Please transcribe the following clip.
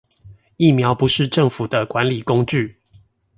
疫苗不是政府的管理工具